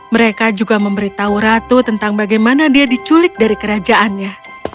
mereka juga memberitahu ratu tentang bagaimana dia diculik dari kerajaannya